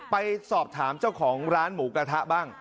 ไปสอบถามเจ้าของร้านหมูกระทะบ้าง